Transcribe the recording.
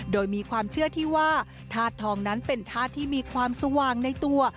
โดยมีความเชื่อที่ว่าธาตุทองนั้นเป็นธาตุที่มีความสว่างในตัว